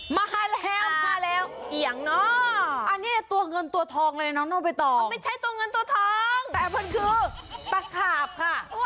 มาแล้วมาแล้วเอียงเนาะอันนี้ตัวเงินตัวทองเลยนะน้องน้องไปต่อมันไม่ใช่ตัวเงินตัวทองแต่มันคือตะขาบค่ะ